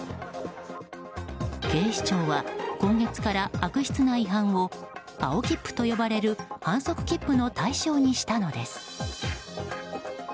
警視庁は今月から悪質な違反を青切符と呼ばれる反則切符の対象にしたのです。